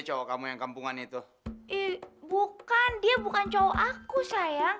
coba kamu yang kampungan itu bukan dia bukan cowok aku sayang